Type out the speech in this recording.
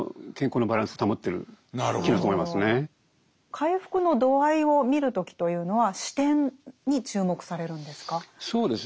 回復の度合いを見る時というのは視点に注目されるんですか？